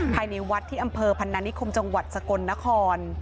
ภายในวัดที่อำเภอพันนานิคมจังหวัดสกลนคร